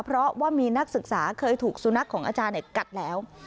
เพราะว่ามีนักศึกษาเคยถูกสุนัขของอาจารย์กัดแล้ว